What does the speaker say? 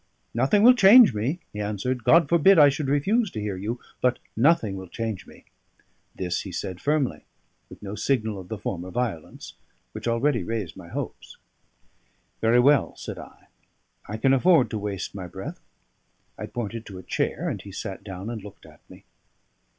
"Nothing will change me," he answered. "God forbid I should refuse to hear you; but nothing will change me." This he said firmly, with no signal of the former violence, which already raised my hopes. "Very well," said I. "I can afford to waste my breath." I pointed to a chair, and he sat down and looked at me.